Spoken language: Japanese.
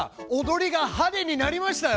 踊りがはでになりましたよ！